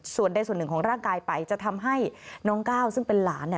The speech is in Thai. ส่วนใดส่วนหนึ่งของร่างกายไปจะทำให้น้องก้าวซึ่งเป็นหลาน